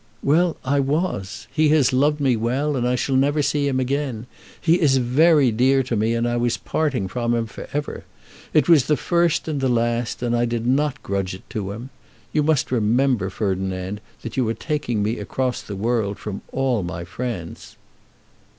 "Well; I was. He has loved me well, and I shall never see him again. He is very dear to me, and I was parting from him for ever. It was the first and the last, and I did not grudge it to him. You must remember, Ferdinand, that you are taking me across the world from all my friends."